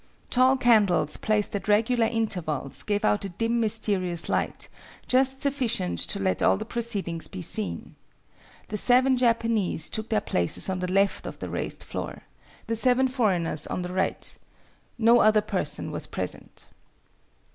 Tall candles placed at regular intervals gave out a dim mysterious light, just sufficient to let all the proceedings be seen. The seven Japanese took their places on the left of the raised floor, the seven foreigners on the right. No other person was present.